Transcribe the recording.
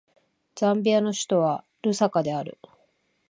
ザンビアの首都はルサカである